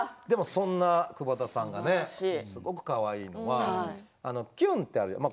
そんな久保田さんがすごくかわいいのはキュンってやりますよね。